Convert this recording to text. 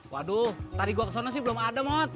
waduh tadi gue kesana sih belum ada mot